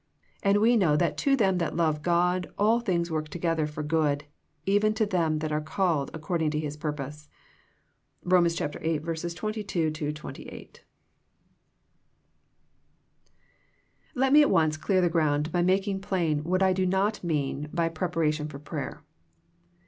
And we know that to them that love God all things work together for good, even to them that are called accord ing to His pMrpose."— Romans 8 : 23 28. IV THE PREPARATION FOR PRAYER Let me at once clear the ground by making plain what I do not mean by preparation for prayer.